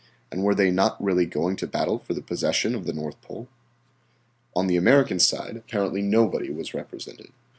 And were they not really going to battle for the possession of the North Pole? On the American side apparently nobody was represented.